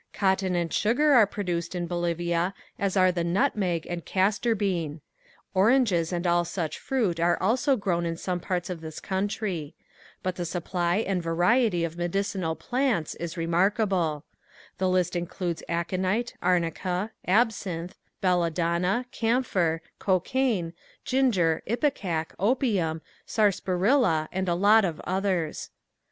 Cotton and sugar are produced in Bolivia as are the nutmeg and castor bean. Oranges and all such fruit are also grown in some parts of this country. But the supply and variety of medicinal plants is remarkable. The list includes aconite, arnica, absinthe, belladonna, camphor, cocaine, ginger, ipecac, opium, sarsaparilla and a lot of others.